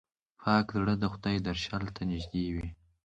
پاک زړه د خدای درشل ته نږدې وي.